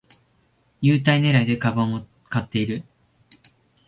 優待ねらいで株を買ってる